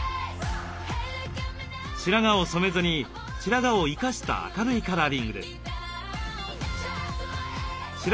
白髪を染めずに白髪を生かした明るいカラーリングです。